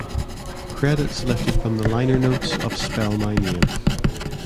Credits lifted from the liner notes of "Spell My Name".